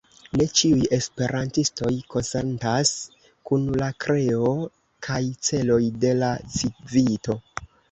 Ne ĉiuj esperantistoj konsentas kun la kreo kaj celoj de la Civito.